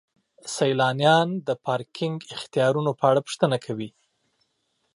سیلانیان د پارکینګ اختیارونو په اړه پوښتنه کوي.